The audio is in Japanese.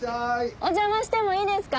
お邪魔してもいいですか？